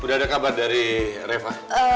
sudah ada kabar dari reva